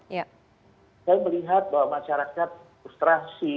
saya melihat bahwa masyarakat frustrasi